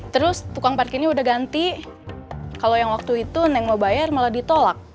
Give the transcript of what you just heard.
terus tukang parkirnya udah ganti kalau yang waktu itu nengo bayar malah ditolak